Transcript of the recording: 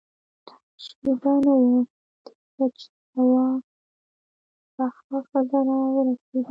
شېبه نه وه تېره چې يوه پخه ښځه راورسېده.